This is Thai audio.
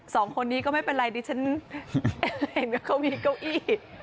สองคนนี้ก็ไม่เป็นไรเท่าสักอย่างด้วยเขามีเก้าอี้